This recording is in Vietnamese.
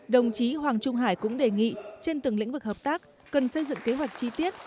đồng chí hoàng trung hải cũng đề nghị trên từng lĩnh vực hợp tác cần xây dựng kế hoạch chi tiết